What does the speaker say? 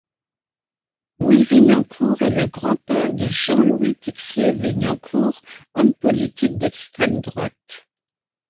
Louis Vignancour est le grand-père de Jean-Louis Tixier-Vignancour, homme politique d'extrême-droite.